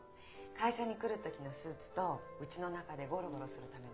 会社に来る時のスーツとうちの中でゴロゴロするためのパジャマ。